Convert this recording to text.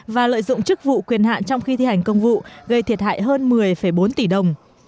và lợi dụng chức vụ quyền hạn trong khi thi hành công vụ gây thiệt hại hơn một mươi bốn tỷ đồng